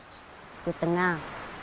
surut ke tengah